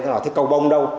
thế tôi hỏi thế cầu bông đâu